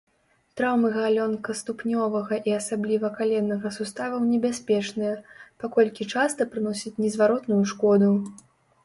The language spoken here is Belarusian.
Траўмы галёнкаступнёвага і асабліва каленнага суставаў небяспечныя, паколькі часта прыносяць незваротную шкоду.